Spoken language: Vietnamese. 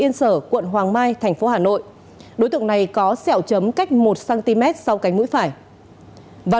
yên sở quận hoàng mai thành phố hà nội đối tượng này có sẹo chấm cách một cm sau cánh mũi phải vào